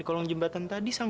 ehm mungkin dia ada di sana